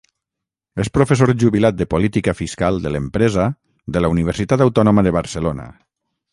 És professor jubilat de Política Fiscal de l'Empresa de la Universitat Autònoma de Barcelona.